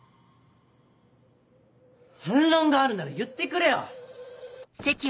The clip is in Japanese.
反論があるなら言ってくれよ！